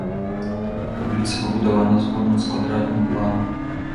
Капліца пабудавана згодна з квадратным планам.